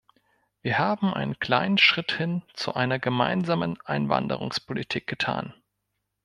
Wir haben einen kleinen Schritt hin zu einer gemeinsamen Einwanderungspolitik getan.